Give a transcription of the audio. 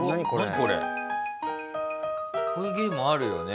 こういうゲームあるよね。